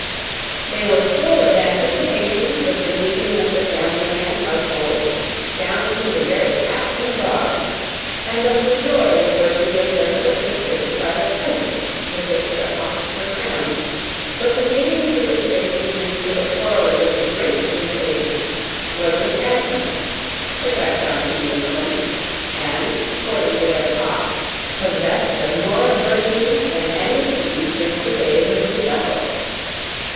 They were full of anticipations of the meeting with the family and household, down to the very cat and dog; and of the joy they were to give their little sisters by the presents with which their pockets were crammed; but the meeting to which they seemed to look forward with the greatest impatience was with Bantam, which I found to be a pony, and, according to their talk, possessed of more virtues than any steed since the days of Bucephalus.